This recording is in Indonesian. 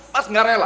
mas gak rela